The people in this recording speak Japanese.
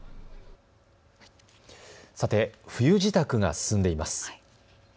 さて、冬支度が進んでいます。